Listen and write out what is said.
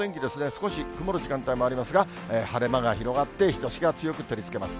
少し曇る時間帯もありますが、晴れ間が広がって、日ざしが強く照りつけます。